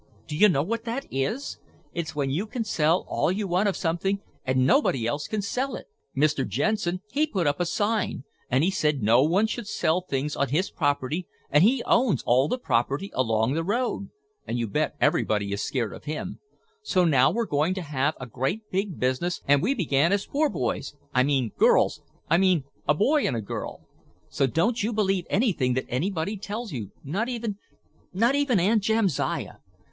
Do you know what that is? It's when you can sell all you want of something and nobody else can sell it. See? "Mr. Jensen, he put up a sign, and he said no one should sell things on his property and he owns all the property along the road, and you bet everybody is scared of him. So now we're going to have a great big business and we began as poor boys, I mean girls, I mean a boy and a girl. So don't you believe anything that anybody tells you, not even—not even Aunt Jamsiah.